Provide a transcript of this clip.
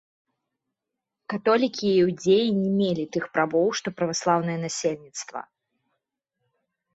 Католікі і іудзеі не мелі тых правоў, што праваслаўнае насельніцтва.